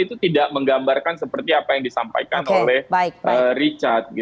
itu tidak menggambarkan seperti apa yang disampaikan oleh richard